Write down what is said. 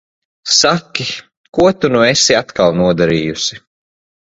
Saki, ko tu nu esi atkal nodarījusi?